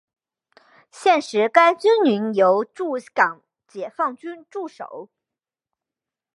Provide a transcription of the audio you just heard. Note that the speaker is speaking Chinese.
现时该军营由驻港解放军驻守。